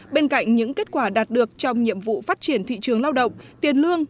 bên cạnh những kết quả đạt được trong nhiệm vụ phát triển thị trường lao động tiền lương